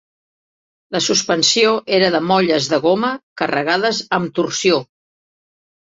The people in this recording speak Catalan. La suspensió era de molles de goma carregades amb torsió.